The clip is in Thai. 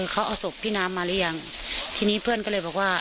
เขาเอาศพพี่น้ำมาหรือยังทีนี้เพื่อนก็เลยบอกว่า